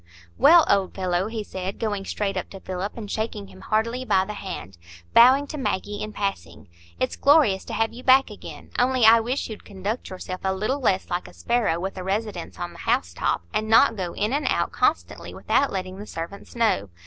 "Well, old fellow," he said, going straight up to Philip and shaking him heartily by the hand, bowing to Maggie in passing, "it's glorious to have you back again; only I wish you'd conduct yourself a little less like a sparrow with a residence on the house top, and not go in and out constantly without letting the servants know.